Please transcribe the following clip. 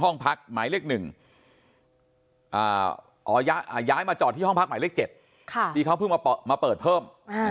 ห้องพักหมายเลข๑ย้ายมาจอดที่ห้องพักหมายเลข๗ที่เขาเพิ่งมาเปิดเพิ่ม